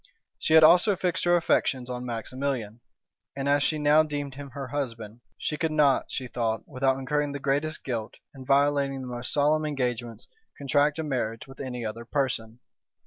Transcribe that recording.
She had also fixed her affections on Maximilian; and as she now deemed him her husband, she could not, she thought, without incurring the greatest guilt, and violating the most solemn engagements, contract a marriage with any other person.